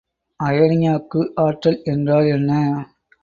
அயனியாக்கு ஆற்றல் என்றால் என்ன?